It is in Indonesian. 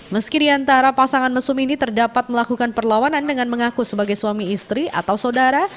meski di antara pasangan mesum ini terdapat melakukan perlawanan dengan mengaku sebagai suami istri atau saudara